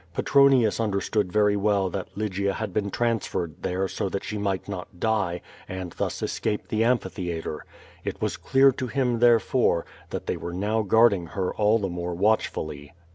Petronius understood very well that Lygia had been tran^ ferred there so that she might not die, and thus escape the amphitheatre. It was clear to him, therefore, that they were now guarding her all the more watchfully.